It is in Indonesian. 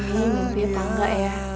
ini mimpi apa enggak ya